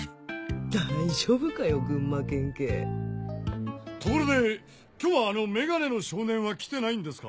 大丈夫かよ群馬県警ところで今日はあのメガネの少年は来てないんですか？